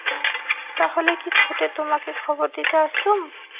তা হলে কি ছুটে তোমাকে খবর দিতে আসতুম?